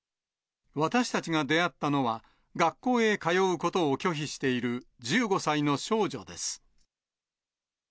私たちが出会ったのは、学校へ通うことを拒否している１５歳の少女です。